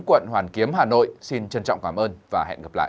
quận hoàn kiếm hà nội xin trân trọng cảm ơn và hẹn gặp lại